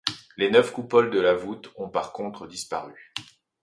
Les neuf coupoles de la voûte ont par contre disparu.